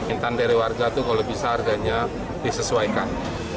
intan dari warga itu kalau bisa harganya disesuaikan